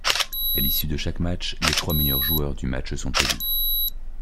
À l'issue de chaque match, les trois meilleurs joueurs du match sont élus.